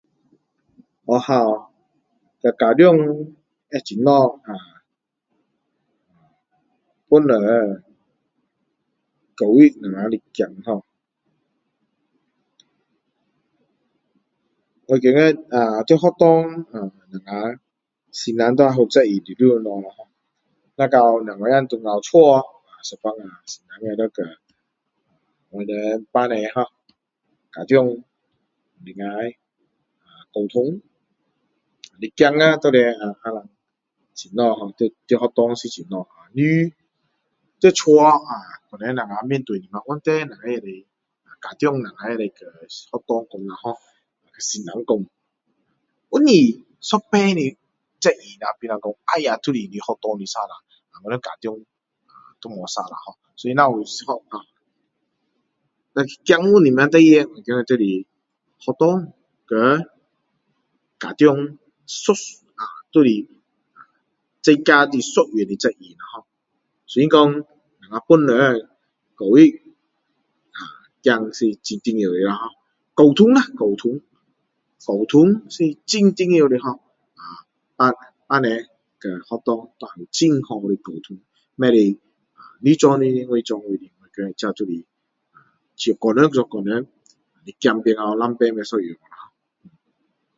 我好，家长会怎样帮助教育我们的孩子ho我觉得呃在学校呀老师要负责任直到小孩都到家有时候我们父母ho家长要沟通能够在学校是怎样你在家可能我们面对的问题家长也可以能够跟学校讲ho老师不是责任哎呀就是你学校的错误我们家长错误孩子有什么事情那就是学校和家长就是大家一样的责人ho所以说帮助教育孩子是很重要的ho沟通啦沟通沟通是很重要的ho父母父母和学校很好的沟通不可以你做你的我做我的这就是各人做各人孩子变成两边不一样